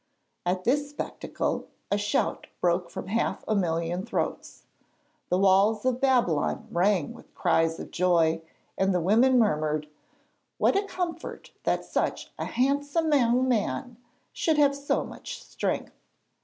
At this spectacle a shout broke from half a million throats. The walls of Babylon rang with cries of joy, and the women murmured: 'What a comfort that such a handsome young man should have so much strength!'